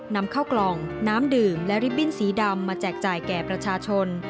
นำเข้ากล่องน้ำดื่มและริบบิ้นสีดำมาแจกจ่ายแก่ประชาชน